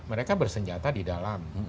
mereka bersenjata di dalam